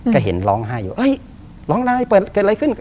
ก็เห็นร้องไห้ร้องไหลเป็นอะไรขึ้น